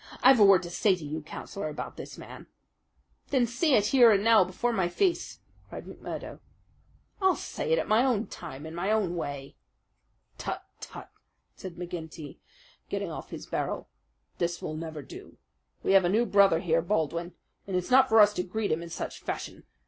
I've a word to say to you, Councillor, about this man." "Then say it here and now before my face," cried McMurdo. "I'll say it at my own time, in my own way." "Tut! Tut!" said McGinty, getting off his barrel. "This will never do. We have a new brother here, Baldwin, and it's not for us to greet him in such fashion.